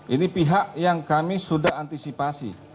ini pihak yang kami sudah antisipasi